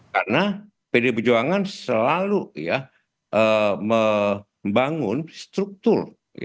karena pdp perjuangan selalu ya membangun struktur